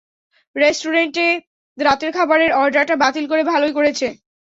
রেস্টুরেন্টে রাতের খাবারের অর্ডারটা বাতিল করে ভালোই করেছে।